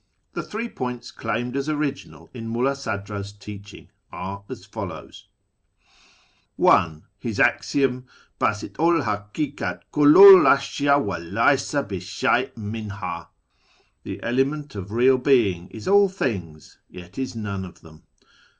The three points claimed as original in Mulla Sadra's teaching ^ are as follows :— (1) His axiom " Basitii 'l liakikat k^dlu'l ashyd iva Icysa hi shcy^''^ minhd "—" The element of Eeal Being is all things, yet is none of them."